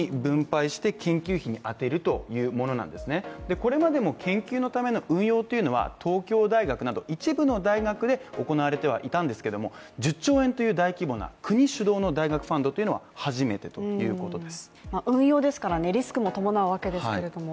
これまでも研究のための運用というのは、東京大学など一部の大学で行われてはいたんですけども、１０兆円という大規模な国主導の大学ファンドというのは初めてです。